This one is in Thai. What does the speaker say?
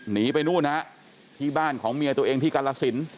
หนีไปนู่นฮะที่บ้านของเมียตัวเองที่กรสิน